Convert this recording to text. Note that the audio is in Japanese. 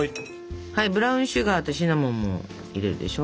ブラウンシュガーとシナモンも入れるでしょ。